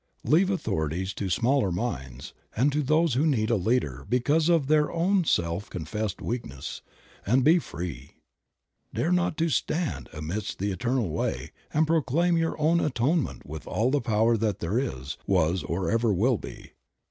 Leave authorities to smaller minds, and to those who need a leader because of this their own self confessed weakness, and be Free. Dare to "Stand amidst the eternal way" and proclaim your own Atonement with all the power that there is, was, or ever will be.